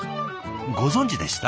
ご存じでした？